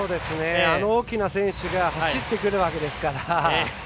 あの大きな選手が走ってくるわけですから。